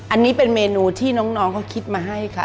อันนี้เป็นเมนูที่น้องเขาคิดมาให้ค่ะ